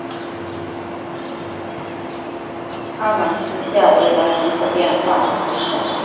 阿芒斯下韦兰人口变化图示